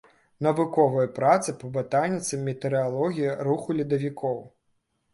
Навуковыя працы па батаніцы, метэаралогіі, руху ледавікоў.